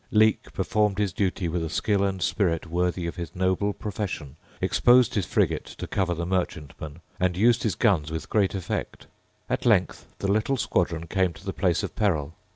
Leake performed his duty with a skill and spirit worthy of his noble profession, exposed his frigate to cover the merchantmen, and used his guns with great effect. At length the little squadron came to the place of peril.